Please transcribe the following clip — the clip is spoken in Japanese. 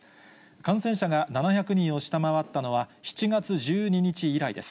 感染者が７００人を下回ったのは、７月１２日以来です。